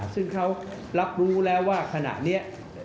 ซึ่งเขารับรู้แล้วว่าขณะนี้